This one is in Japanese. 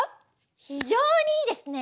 非常にいいですね！